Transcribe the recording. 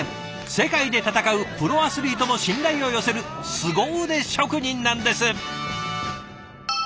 世界で戦うプロアスリートも信頼を寄せるすご腕職人なんです。